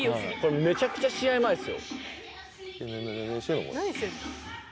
めちゃくちゃ試合前っすよ。